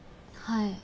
はい。